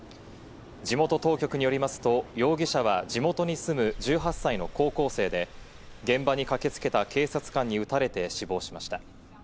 地元当局によりますと、容疑者は地元に住む１８歳の高校生で現場に駆けつけた警察官に撃たれて死亡しました。